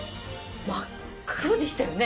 真っ黒でしたよね